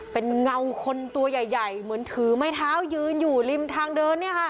เป็นเงาคนตัวใหญ่เหมือนถือไม้เท้ายืนอยู่ริมทางเดินเนี่ยค่ะ